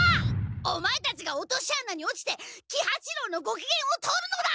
オマエたちが落とし穴に落ちて喜八郎のごきげんを取るのだ！